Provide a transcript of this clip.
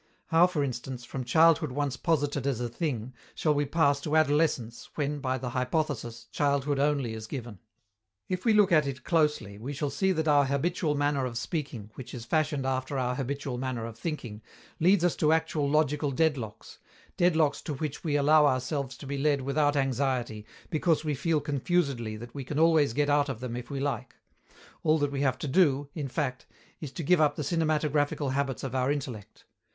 How, for instance, from childhood once posited as a thing, shall we pass to adolescence, when, by the hypothesis, childhood only is given? If we look at it closely, we shall see that our habitual manner of speaking, which is fashioned after our habitual manner of thinking, leads us to actual logical dead locks dead locks to which we allow ourselves to be led without anxiety, because we feel confusedly that we can always get out of them if we like: all that we have to do, in fact, is to give up the cinematographical habits of our intellect.